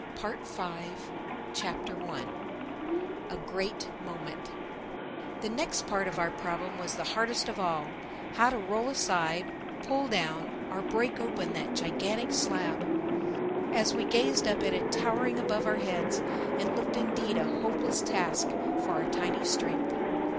PART FIVE THE FIRST CHAPTER A GREAT MOMENT THE next part of our problem was the hardest of all: how to roll aside, pull down or break open, that gigantic slab. As we gazed up at it towering above our heads, it looked indeed a hopeless task for our tiny strength.